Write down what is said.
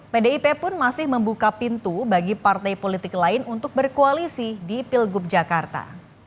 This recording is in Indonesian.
pdip pun masih membuka pintu bagi partai politik lain untuk berkoalisi di pilgub jakarta